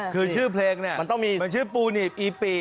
คือชื่อเพลงเนี่ยมันชื่อปูหนิบอิปปิ